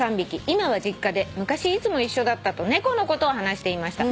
『今は実家で昔いつも一緒だった』と猫のことを話していました」